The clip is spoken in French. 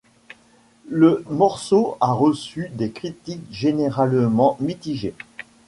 Le morceau a reçu des critiques généralement mitigées.